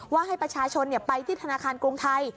ว่าให้ประชาชนไปที่ธนาคารกรุงไทย